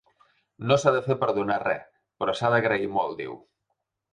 No s’ha de fer perdonar res, però s’ha d’agrair molt, diu.